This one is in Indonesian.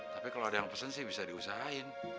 tapi kalau ada yang pesen sih bisa diusahain